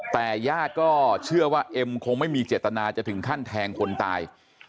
แต่ญาติก็เชื่อว่าเอ็มคงไม่มีเจตนาจะถึงขั้นแทงคนตาย